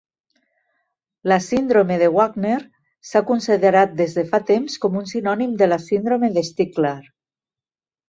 La síndrome de Wagner s'ha considerat des de fa temps com un sinònim de la síndrome de Stickler.